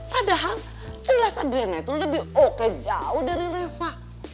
padahal jelas adrena itu lebih oke jauh dari reva